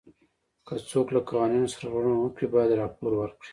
که څوک له قوانینو سرغړونه وکړي باید راپور ورکړي.